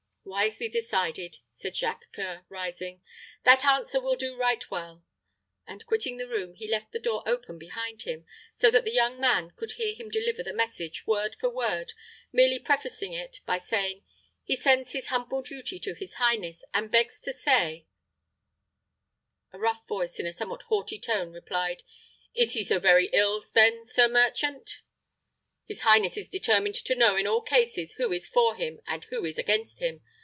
"Wisely decided," said Jacques C[oe]ur, rising. "That answer will do right well;" and, quitting the room, he left the door open behind him, so that the young man could hear him deliver the message word for word, merely prefacing it by saying, "He sends his humble duty to his highness, and begs to say " A rough voice, in a somewhat haughty tone, replied, "Is he so very ill, then, sir merchant? His highness is determined to know in all cases who is for him and who is against him.